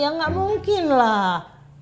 ya gak mungkin lah